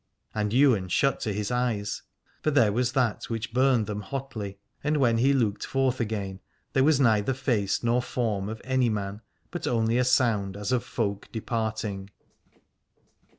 And Ywain shut to his eyes, for there was that which burned them hotly : and when he looked forth again there was neither face nor form of any man, but only a sound as of folk departing.